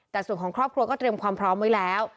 แต่ส่วนของครอบครัวก็เตรียมความพร้อมไว้แล้ว